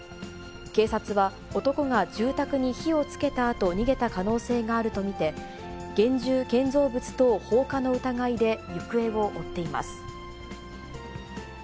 警察は男が住宅に火をつけたあと、逃げた可能性があると見て、現住建造物等放火の疑いで、行方を追っています。